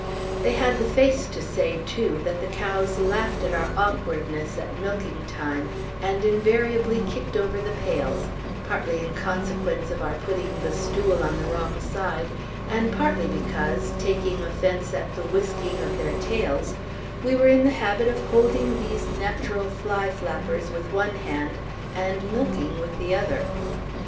They had the face to say, too, that the cows laughed at our awkwardness at milking time, and invariably kicked over the pails; partly in consequence of our putting the stool on the wrong side, and partly because, taking offence at the whisking of their tails, we were in the habit of holding these natural fly flappers with one hand and milking with the other.